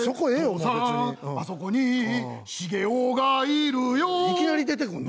「お父さんあそこに茂王がいるよ」いきなり出てくんの？